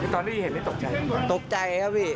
ตอนนี้เห็นไม่ตกใจหรือเปล่า